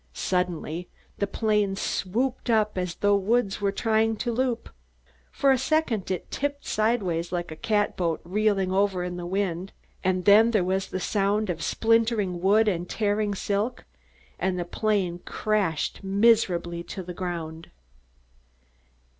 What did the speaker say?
Suddenly the plane swooped up as though Woods were trying to loop. For a second it tipped sidewise like a cat boat reeling over in the wind, and then there was the sound of splintering wood and tearing silk, and the plane crashed miserably to the ground.